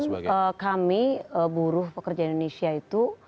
setiap tahun kami buruh pekerja indonesia itu